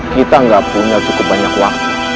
kita nggak punya cukup banyak waktu